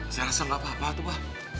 saya rasa gak apa apa tuh pak